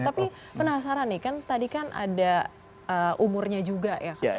tapi penasaran nih kan tadi kan ada umurnya juga ya